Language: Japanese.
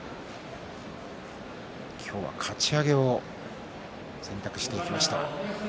今日はかち上げを選択していきました。